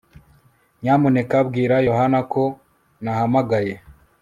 nyamuneka bwira yohana ko nahamagaye